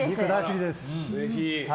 ぜひ。